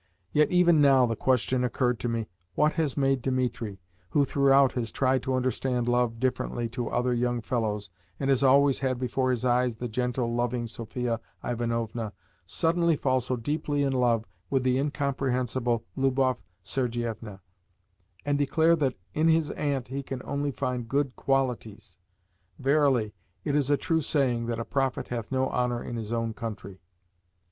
Yet even now the question occurred to me: "What has made Dimitri who throughout has tried to understand love differently to other young fellows, and has always had before his eyes the gentle, loving Sophia Ivanovna suddenly fall so deeply in love with the incomprehensible Lubov Sergievna, and declare that in his aunt he can only find good QUALITIES? Verily it is a true saying that 'a prophet hath no honour in his own country.